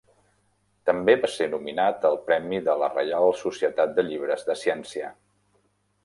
També va ser nominat al Premi de la Reial Societat de Llibres de Ciència.